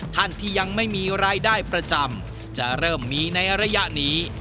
ท่านที่ยังไม่มีรายได้ประจำจะเริ่มมีในระยะนี้